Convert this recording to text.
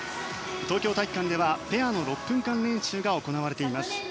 東京体育館ではペアの６分間練習が行われています。